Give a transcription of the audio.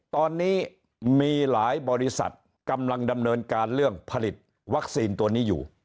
ตอนนี้มีหลายบริษัทกำลังดำเนินการเรื่องผลิตวัคซีนตัวนี้อยู่